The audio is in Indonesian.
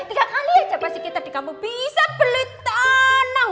tiga kali aja pasti kita di kamu bisa beli tanah